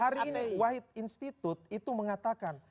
hari ini wahid institute itu mengatakan